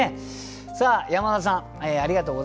さあ山田さんありがとうございました。